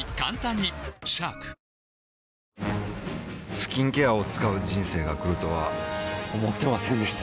スキンケアを使う人生が来るとは思ってませんでした